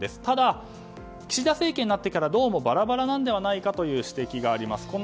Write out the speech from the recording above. ただ、岸田政権になってからバラバラなのではないかという指摘があります。